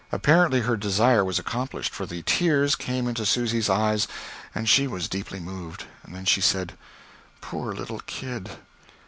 Apparently, her desire was accomplished, for the tears came into Susy's eyes and she was deeply moved. Then she said: "Poor little kid!"